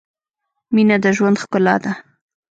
• مینه د ژوند ښکلا ده.